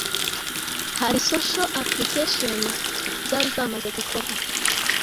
hari social applications zari zamaze gukorwa